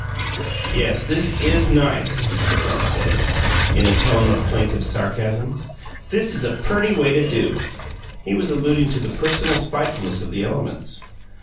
"Yes; this is NICE!" Sam said, in a tone of plaintive sarcasm. "This is a PERTY way to do!" (He was alluding to the personal spitefulness of the elements.)